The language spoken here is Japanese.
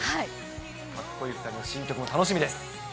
かっこいい２人の新曲も楽しみです。